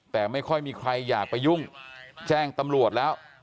แต่ไม่ค่อยมีใครอยากไปยุ่งแจ้งตำรวจแล้ว